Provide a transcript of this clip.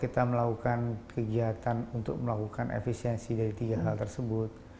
terlihatan untuk melakukan efisiensi dari tiga hal tersebut